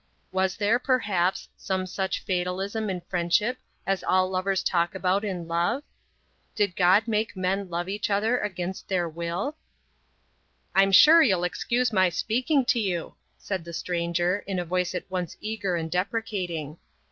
Was there, perhaps, some such fatalism in friendship as all lovers talk about in love? Did God make men love each other against their will? "I'm sure you'll excuse my speaking to you," said the stranger, in a voice at once eager and deprecating.